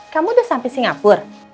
kamu udah sampai singapura